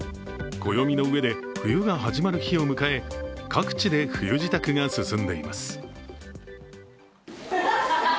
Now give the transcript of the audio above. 暦の上で冬が始まる日を迎え、各地で冬支度が進んでいます。